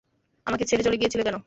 আমাকে ছেড়ে চলে গিয়েছিলে কেন?